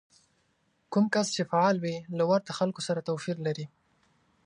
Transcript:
کوم کس چې فعال وي له ورته خلکو سره توپير لري.